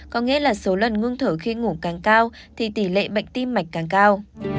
có nghĩa là số lần ngưng thở khi ngủ càng cao thì tỷ lệ bệnh tim mạch càng cao